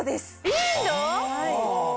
インド⁉